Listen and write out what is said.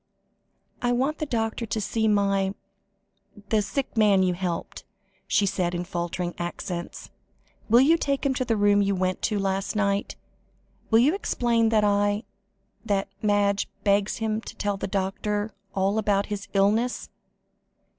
"I want the doctor to see my the sick man you helped," she said in faltering accents. "Will you take him to the room you went to last night? Will you explain that I that Madge begs him to tell the doctor all about his illness?